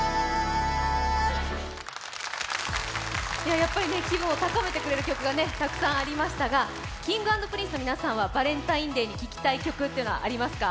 やっぱり気分を高めてくれる曲がたくさんありましたがＫｉｎｇ＆Ｐｒｉｎｃｅの皆さんはバレンタインデーに聴きたい曲ってありますか？